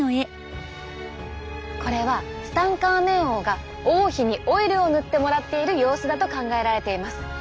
これはツタンカーメン王が王妃にオイルを塗ってもらっている様子だと考えられています。